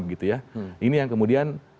ini yang kemudian